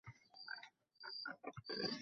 স্পষ্ট করেই বলো।